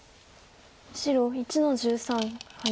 白１の十三ハネ。